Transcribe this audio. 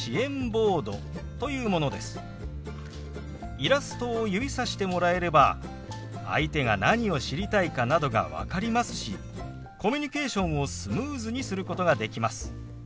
イラストを指さしてもらえれば相手が何を知りたいかなどが分かりますしコミュニケーションをスムーズにすることができます。